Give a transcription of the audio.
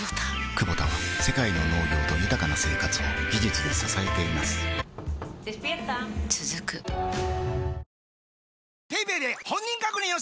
クボタは世界の農業と豊かな生活を技術で支えています起きて。